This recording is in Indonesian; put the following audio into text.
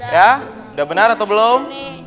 sudah benar atau belum